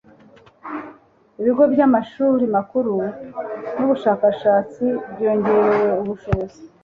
ibigo by'amashuri makuru n'ubushakashatsi byongerewe ubushobozi